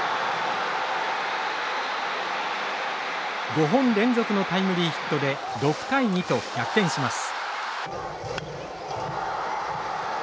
５本連続のタイムリーヒットで６対２と逆転します。